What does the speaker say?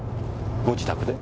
ご自宅で？